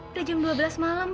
udah jam dua belas malam